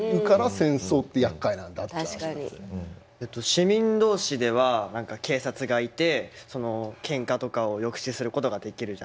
市民同士では何か警察がいてそのけんかとかを抑止することができるじゃないですか。